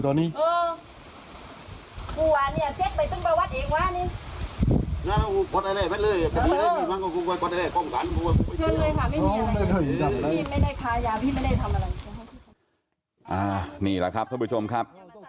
นี่แหละครับท่านผู้ชมครับ